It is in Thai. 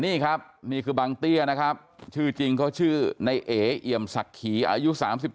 นี่ครับนี่คือบางเตี้ยนะครับชื่อจริงเขาชื่อในเอเอี่ยมศักดิ์ขีอายุ๓๔